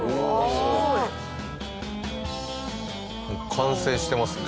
完成してますね。